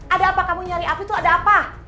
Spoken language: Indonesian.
ada apa kamu nyari aku tuh ada apa